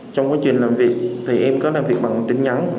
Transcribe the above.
trong quá trình làm việc thì em có làm việc bằng tin nhắn